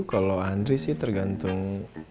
kalo andries sih tergantung